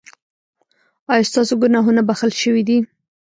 ایا ستاسو ګناهونه بښل شوي دي؟